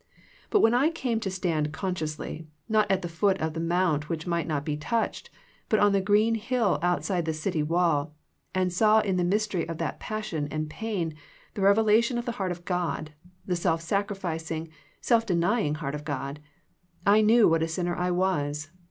But when I came to stand consciously, not at the foot of the mount which might not be touched, but on the green hill outside the city wall, and saw in the mystery of that passion and pain the revelation of the heart of God, the self sacrificing, self denying heart of God, I knew what a sinner I was.